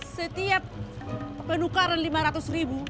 setiap penukaran lima ratus ribu